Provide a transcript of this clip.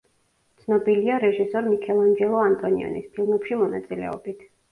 ცნობილია რეჟისორ მიქელანჯელო ანტონიონის ფილმებში მონაწილეობით.